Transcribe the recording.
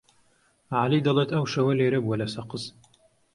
عەلی دەڵێت ئەو شەوە لێرە بووە لە سەقز.